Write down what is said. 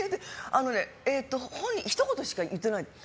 ひと言しか言ってないの。